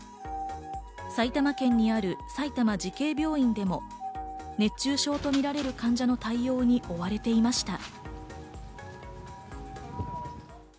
埼玉県にある埼玉慈恵病院でも熱中症とみられる患者の対応に追われていました。